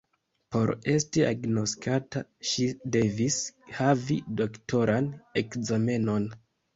Por esti agnoskata, ŝi devis havi doktoran ekzamenon.